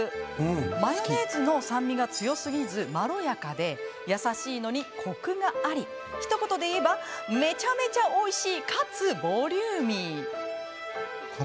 マヨネーズの酸味が強すぎずまろやかで優しいのにコクがありひと言でいえばめちゃめちゃおいしいかつ、ボリューミー。